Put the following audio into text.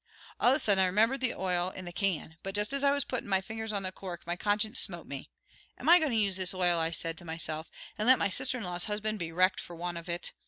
"All of a sudden I remembered that oil in the can; but just as I was puttin' my fingers on the cork my conscience smote me. 'Am I goin' to use this oil,' I said to myself, 'and let my sister in law's husband be wrecked for want of it?'